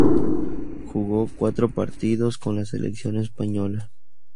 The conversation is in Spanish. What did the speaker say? Jugó cuatro partidos con la selección española.